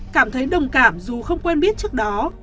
cảm thấy đồng cảm dù không quen biết trước đó